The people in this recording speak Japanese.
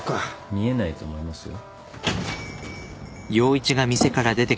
見えないと思いますよ。